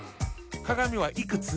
鏡はいくつ？